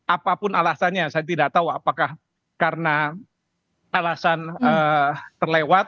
apapun alasannya saya tidak tahu apakah karena alasan terlewat